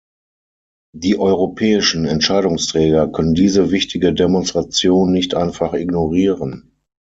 Die europäischen Entscheidungsträger können diese wichtige Demonstration nicht einfach ignorieren.